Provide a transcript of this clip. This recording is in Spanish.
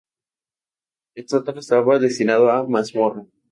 El sótano estaba destinado a mazmorra.